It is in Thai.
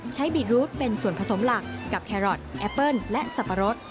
บีดรูดเป็นส่วนผสมหลักกับแครอทแอปเปิ้ลและสับปะรด